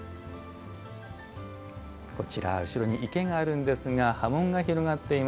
こちら後ろに池があるんですが波紋が広がっています。